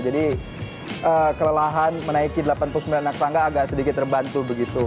jadi kelelahan menaiki delapan puluh sembilan langkah langkah agak sedikit terbantu begitu